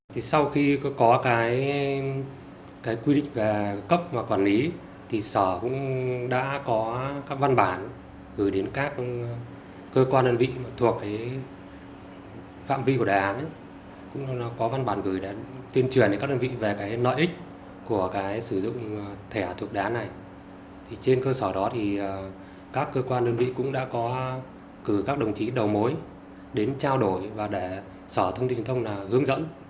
các cơ quan đơn vị cũng đã có cử các đồng chí đầu mối đến trao đổi và để sở thông tin và truyền thông hướng dẫn